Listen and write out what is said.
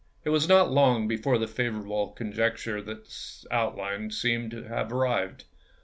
It was not long before the favorable conjuncture thus outlined seemed to have arrived.